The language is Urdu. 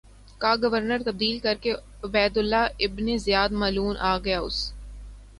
کا گورنر تبدیل کرکے عبیداللہ ابن زیاد ملعون آگیا اس